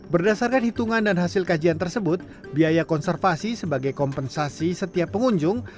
berdasarkan hitungan dan hasil kajian tersebut biaya konservasi sebagai kompensasi setiap pengunjung